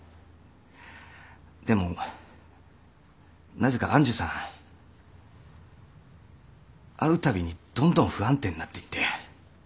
でもなぜか愛珠さん会うたびにどんどん不安定になっていって。